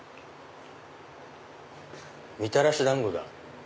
みたらし団子だ。